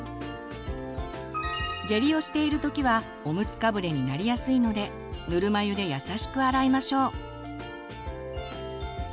下痢をしているときはおむつかぶれになりやすいのでぬるま湯で優しく洗いましょう。